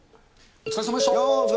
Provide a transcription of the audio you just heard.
お疲れさまでした。